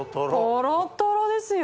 トロトロですよ！